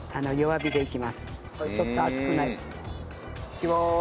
いきまーす。